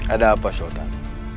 ada apa sultan